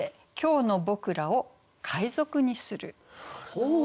ほう！